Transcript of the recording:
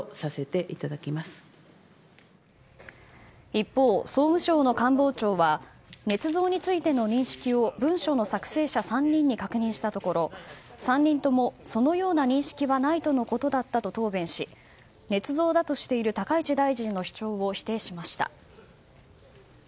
一方、総務省の官房長はねつ造についての認識を文書の作成者３人に確認したところ３人ともそのような認識はないとのことだったと答弁し、ねつ造だとしている高市大臣の主張を否定しました。